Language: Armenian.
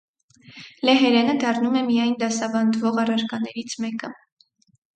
Լեհերենը դառնում է միայն դասավանդվող առարկաներից մեկը։